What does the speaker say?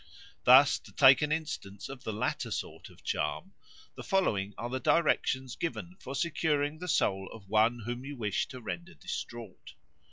Thus, to take an instance of the latter sort of charm, the following are the directions given for securing the soul of one whom you wish to render distraught.